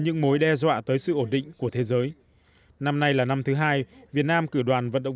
những mối đe dọa tới sự ổn định của thế giới năm nay là năm thứ hai việt nam cử đoàn vận động